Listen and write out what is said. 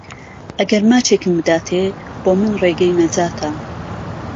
ئهگهر ماچێکم بداتێ، بۆ من ڕێگهی نهجاته